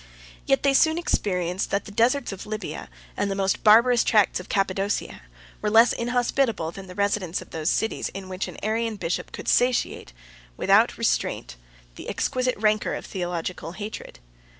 130 Yet they soon experienced that the deserts of Libya, and the most barbarous tracts of Cappadocia, were less inhospitable than the residence of those cities in which an Arian bishop could satiate, without restraint, the exquisite rancor of theological hatred.